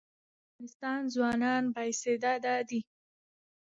د افغانستان ځوانان با استعداده دي